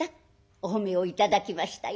お褒めを頂きましたよ。